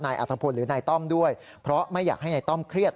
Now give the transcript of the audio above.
อัธพลหรือนายต้อมด้วยเพราะไม่อยากให้นายต้อมเครียด